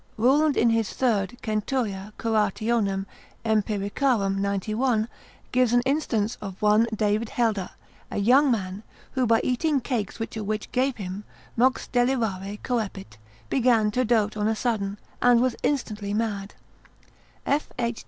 Ruland in his 3 Cent. Cura 91. gives an instance of one David Helde, a young man, who by eating cakes which a witch gave him, mox delirare coepit, began to dote on a sudden, and was instantly mad: F. H.